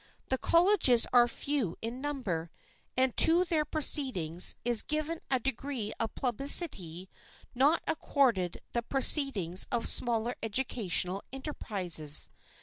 The colleges are few in number, and to their proceedings is given a degree of publicity not accorded the proceedings of smaller educational enterprises.